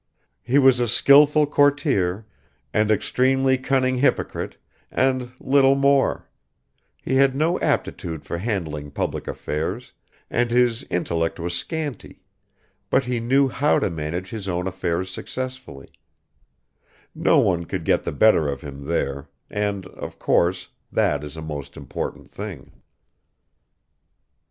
He was a skillful courtier, and extremely cunning hypocrite, and little more; he had no aptitude for handling public affairs, and his intellect was scanty, but he knew how to manage his own affairs successfully; no one could get the better of him there, and of course, that is a most important thing.